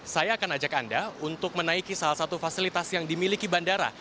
saya akan ajak anda untuk menaiki salah satu fasilitas yang dimiliki bandara